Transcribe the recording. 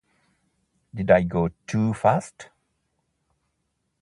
Did I go too fast?